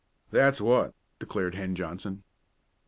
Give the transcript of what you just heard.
"That's what," declared Hen Johnson.